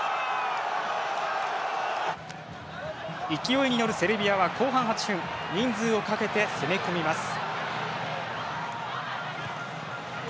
勢いに乗るセルビアは後半８分人数をかけて攻め込みます。